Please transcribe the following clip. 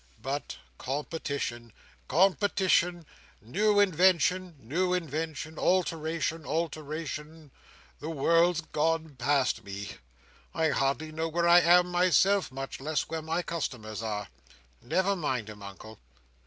But competition, competition—new invention, new invention—alteration, alteration—the world's gone past me. I hardly know where I am myself, much less where my customers are." "Never mind 'em, Uncle!"